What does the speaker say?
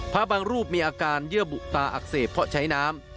พระบางรูปมีอาการเยื่อบุตาอักเสบเพราะใช้น้ำ